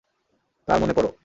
তার মনে পড়ো।